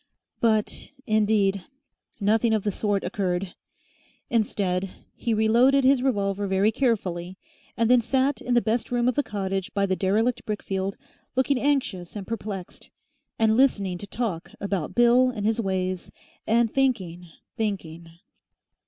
But indeed nothing of the sort occurred. Instead, he reloaded his revolver very carefully, and then sat in the best room of the cottage by the derelict brickfield, looking anxious and perplexed, and listening to talk about Bill and his ways, and thinking, thinking.